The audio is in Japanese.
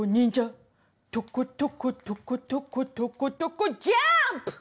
「とことことことことことこジャンプ！」